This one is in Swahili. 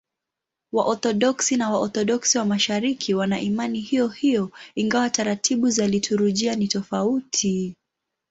Waorthodoksi na Waorthodoksi wa Mashariki wana imani hiyohiyo, ingawa taratibu za liturujia ni tofauti.